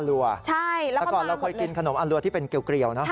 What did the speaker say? ใช่แล้วก็มาหมดเลยใช่แล้วก็มาหมดเลยแต่ก่อนเราเคยกินขนมอาลัวที่เป็นเกลียวเนอะ